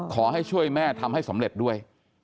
ขอให้ช่วยแม่ทำให้สำเร็จด้วย